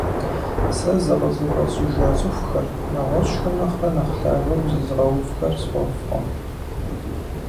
Сэ зыкъызыфӏэщӏыжа цӏыхухэр, нэгъуэщӏхэм нэхърэ нэхъ лъагэу зызыгъэувхэр сфӏэфӏкъым.